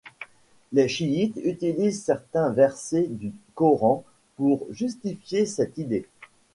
Les chiites utilisent certains versets du coran pour justifier cette idée.